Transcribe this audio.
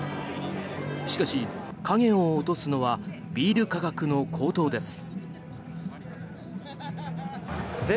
しかし、影を落とすのはビール価格の高騰です。